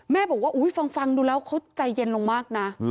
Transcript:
แม่บอกว่าฟังดูแล้วเขาใจเย็นลงมากนะ